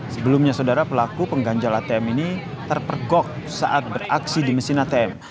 sebelumnya saudara pelaku pengganjal atm ini terpergok saat beraksi di mesin atm